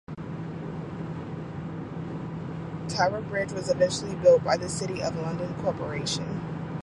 Tower Bridge was eventually built by the City of London Corporation.